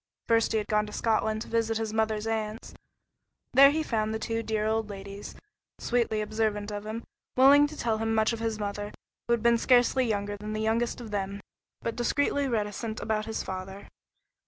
First he had gone to Scotland to visit his mother's aunts. There he found the two dear old ladies, sweetly observant of him, willing to tell him much of his mother, who had been scarcely younger than the youngest of them, but discreetly reticent about his father.